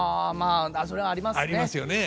あそれはありますね。